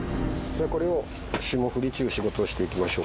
これを霜降りちゅう仕事していきましょう。